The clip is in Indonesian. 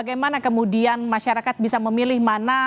bagaimana kemudian masyarakat bisa memilih mana